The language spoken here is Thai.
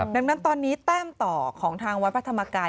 ดังนั้นตอนนี้แต้มต่อของทางวัดพระธรรมกาย